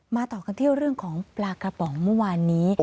ต่อกันที่เรื่องของปลากระป๋องเมื่อวานนี้